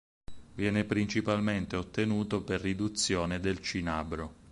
Viene principalmente ottenuto per riduzione del cinabro.